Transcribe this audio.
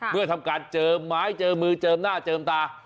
เมื่อทำการเจอไม้เจอมือเจอหน้าเจออำว่า